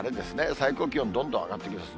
最高気温どんどん上がっていきます。